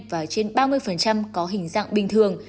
và trên ba mươi có hình dạng bình thường